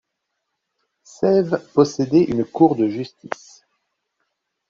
Saive possédait une cour de justice.